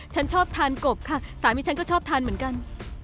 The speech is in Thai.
ฉันชอบทานกบค่ะสามีฉันก็ชอบทานเหมือนกัน